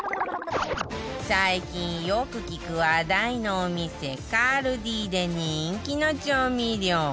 最近よく聞く話題のお店 ＫＡＬＤＩ で人気の調味料